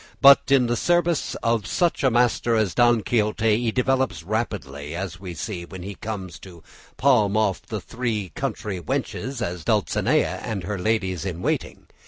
But in the service of such a master as Don Quixote he develops rapidly, as we see when he comes to palm off the three country wenches as Dulcinea and her ladies in waiting.